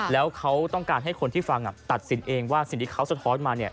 แล้วเขาต้องการให้คนที่ฟังตัดสินเองว่าสิ่งที่เขาสะท้อนมา